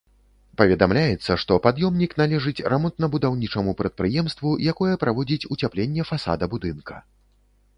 Паведамляецца, што пад'ёмнік належыць рамонтна-будаўнічаму прадпрыемству, якое праводзіць уцяпленне фасада будынка.